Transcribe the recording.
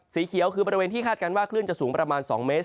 สีเขียวคือบริเวณที่คาดการณ์ว่าคลื่นจะสูงประมาณ๒เมตร